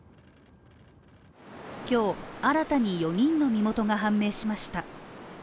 今日新たに４人の身元が判明しました。